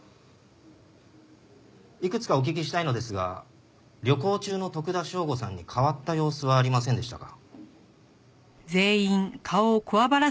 いくつかお聞きしたいのですが旅行中の徳田省吾さんに変わった様子はありませんでしたか？